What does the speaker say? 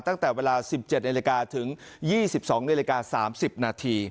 ตั้งแต่เวลา๑๗นถึง๒๒น๓๐น